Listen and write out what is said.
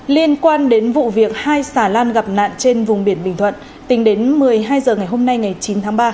liên quan đến vụ việc hai xà lan gặp nạn trên vùng biển bình thuận tính đến một mươi hai h ngày hôm nay ngày chín tháng ba